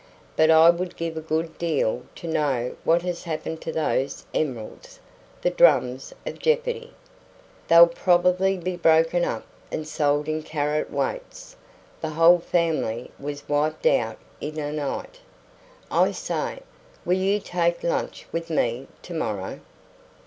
But I would give a good deal to know what has happened to those emeralds the drums of jeopardy. They'll probably be broken up and sold in carat weights. The whole family was wiped out in a night.... I say, will you take lunch with me to morrow?"